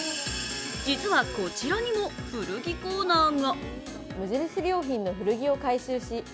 実はこちらにも古着コーナーが。